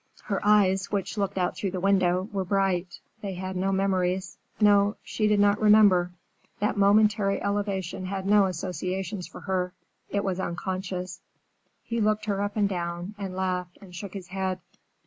Her eyes, which looked out through the window, were bright—they had no memories. No, she did not remember. That momentary elevation had no associations for her. It was unconscious. He looked her up and down and laughed and shook his head.